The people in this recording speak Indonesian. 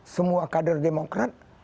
semua kader demokrat